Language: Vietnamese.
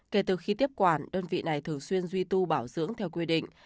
kể từ khi tiếp quản đơn vị này thường xuyên duy tu bảo dưỡng theo quy định